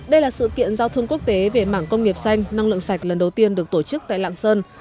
đây là sự kiện giao thương quốc tế về mảng công nghiệp xanh năng lượng sạch lần đầu tiên được tổ chức tại lạng sơn